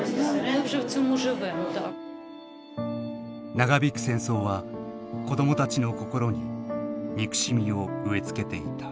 ・長引く戦争は子どもたちの心に憎しみを植え付けていた。